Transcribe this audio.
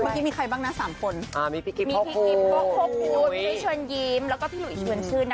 เมื่อกี้มีใครบ้างนะ๓คนมีพี่กิ๊บคุณพี่เชิญยิ้มแล้วก็พี่หลุยชวนชื่นนะ